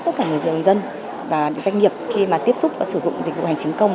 tất cả người dân và doanh nghiệp khi mà tiếp xúc và sử dụng dịch vụ hành chính công